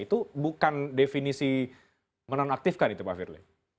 itu bukan definisi menonaktifkan itu pak firly